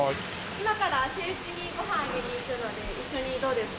今からセイウチにご飯をあげに行くので一緒にどうですか？